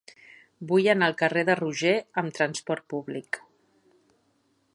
Vull anar al carrer de Roger amb trasport públic.